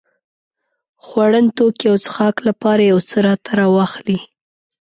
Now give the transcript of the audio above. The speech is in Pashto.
خوړن توکي او څښاک لپاره يو څه راته راواخلې.